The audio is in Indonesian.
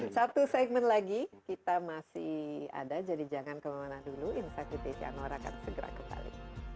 satu segmen lagi kita masih ada jadi jangan kemana mana dulu insak hiditianora akan segera kembali